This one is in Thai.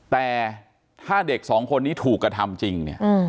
แต่ถ้าเด็ก๒คนนี้ถูกกระทำจริง